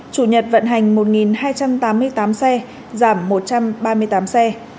chủ nhật vận hành một hai trăm tám mươi tám xe giảm một trăm ba mươi tám xe